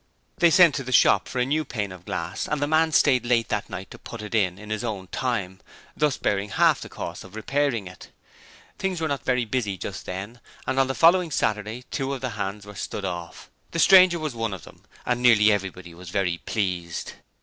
They sent to the shop for a new pane of glass, and the man stayed late that night and put it in in his own time, thus bearing half the cost of repairing it. Things were not very busy just then, and on the following Saturday two of the hands were 'stood off'. The stranger was one of them, and nearly everybody was very pleased.